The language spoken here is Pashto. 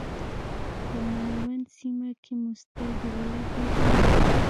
په میوند سیمه کې مو سترګې ولګېدلې.